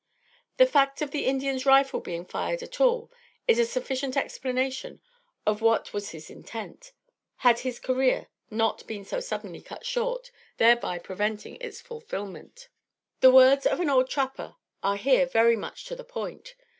The fact of the Indian's rifle being fired at all is a sufficient explanation of what was his intent, had his career not been so suddenly cut short, thereby preventing its fulfillment. The words of an old trapper are here very much to the point.